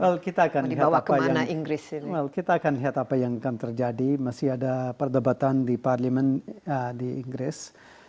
well kita akan lihat apa yang akan terjadi masih ada perdebatan di parlimen di inggris